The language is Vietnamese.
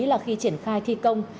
là khi triển khai thi công